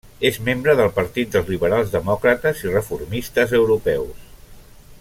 És membre del Partit dels Liberals Demòcrates i Reformistes Europeus.